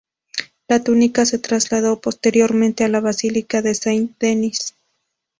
La túnica se trasladó posteriormente a la basílica de Saint-Denys.